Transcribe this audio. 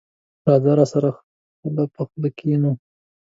راځه، سره خله په خله کېنو.